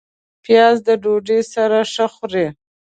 پیاز د ډوډۍ سره ښه خوري